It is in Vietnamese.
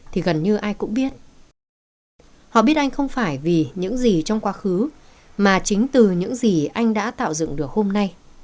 họ biết anh không phải vì những gì trong quá khứ mà chính từ những gì anh đã tạo dựng được hôm nay